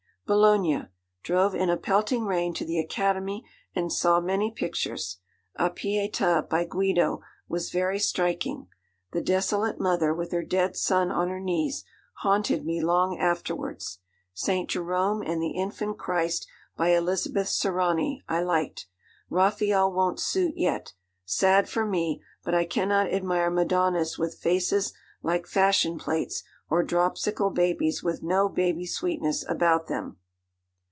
'Bologna. Drove in a pelting rain to the Academy, and saw many pictures. A Pietà, by Guido, was very striking. The desolate mother, with her dead son on her knees, haunted me long afterwards. St. Jerome and the infant Christ, by Elizabeth Sirani, I liked. Raphael won't suit yet. Sad for me, but I cannot admire Madonnas with faces like fashion plates, or dropsical babies with no baby sweetness about them.